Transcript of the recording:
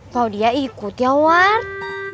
klau dia ikut ya ward